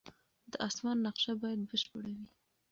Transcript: د اسمان نقشه باید بشپړه وي.